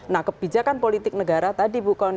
nah kebijakan politik negara tadi bu kony